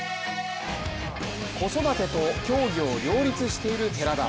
子育てと競技を両立している寺田。